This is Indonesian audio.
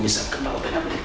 saya bisa kembali dengan ibu